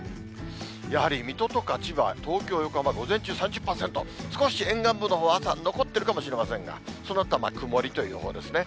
やはり水戸とか千葉、東京、横浜、午前中３０％、少し沿岸部のほうは朝、残ってるかもしれませんが、そのあとは曇りという予報ですね。